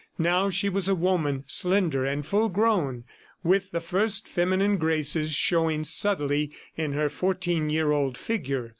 Now she was a woman, slender and full grown, with the first feminine graces showing subtly in her fourteen year old figure.